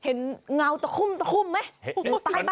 เงาตะคุ่มตะคุ่มไหม